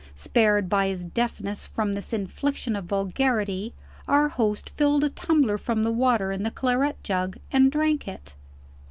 Spared by his deafness from this infliction of vulgarity, our host filled a tumbler from the water in the claret jug, and drank it.